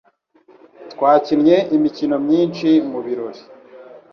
Twakinnye imikino myinshi mubirori.